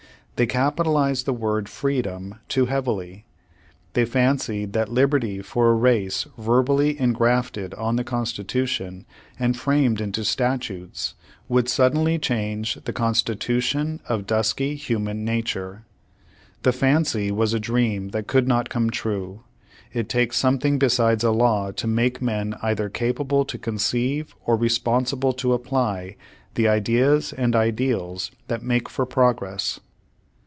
They capitalized the word freedom too heavily. They fancied that liberty for a race verbally engrafted on the Constitution and framed into statutes, v/ould suddenly change the constitu tion of dusky human nature. The fancy was a dream that could not come true. It takes some thing besides a law to make men either capable to conceive or responsible to apply the ideas and Page One Hundred eighty three Page Oue Hundred eiglily four ideals that make for progress.